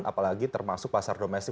apalagi termasuk pasar domestik